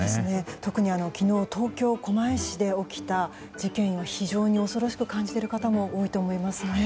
特に昨日東京・狛江市で起きた事件が非常に恐ろしく感じている方も多いと思いますね。